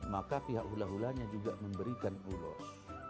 maka pihak hula hulanya juga memberikan ulos